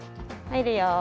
入るよ。